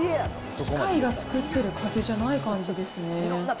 機械が作ってる風じゃない感じですね。